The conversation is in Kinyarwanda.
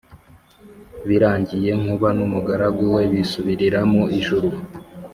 Birangiye Nkuba n’umugaragu we bisubirira mu ijuru